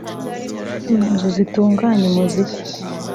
mu nzu zitunganya umuziki